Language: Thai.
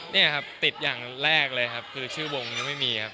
นี่ครับติดอย่างแรกเลยครับคือชื่อวงยังไม่มีครับ